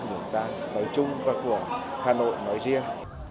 của người ta nói chung và của hà nội nói riêng